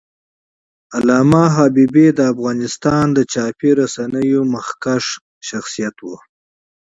علامه حبيبي د افغانستان د مطبوعاتو مخکښ شخصیت و.